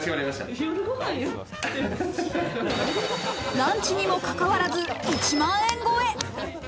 ランチにもかかわらず１万円超え。